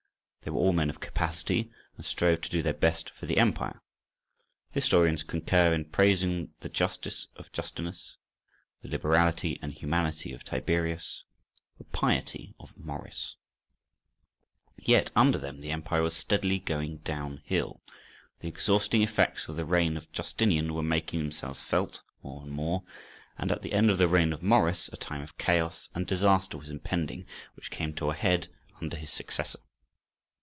They were all men of capacity, and strove to do their best for the empire: historians concur in praising the justice of Justinus, the liberality and humanity of Tiberius, the piety of Maurice. Yet under them the empire was steadily going down hill: the exhausting effects of the reign of Justinian were making themselves felt more and more, and at the end of the reign of Maurice a time of chaos and disaster was impending, which came to a head under his successor.